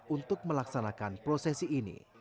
untuk melaksanakan prosesi ini